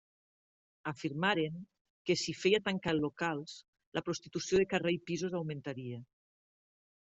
Afirmaren que si feia tancar els locals la prostitució de carrer i pisos augmentaria.